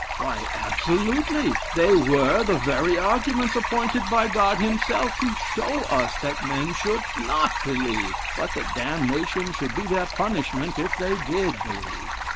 Why, absolutely, they were the very arguments appointed by God himself to show us that men should not believe, but that damnation should be their punishment if they did believe.